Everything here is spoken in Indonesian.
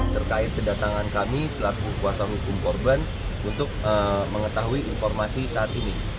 terkait kedatangan kami selaku kuasa hukum korban untuk mengetahui informasi saat ini